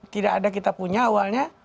tidak ada kita punya awalnya